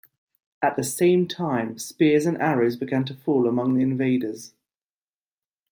At the same time spears and arrows began to fall among the invaders.